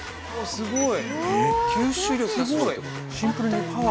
「すごい！」